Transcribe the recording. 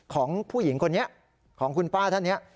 ของผู้หญิงคนนี้ของคุณป้าท่านนี้